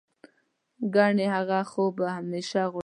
ګنې هغه خو به همېشه غړمبېده.